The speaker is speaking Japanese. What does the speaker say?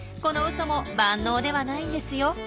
このウソも万能ではないんですよ。